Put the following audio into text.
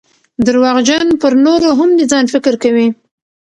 درواغجن پرنورو هم دځان فکر کوي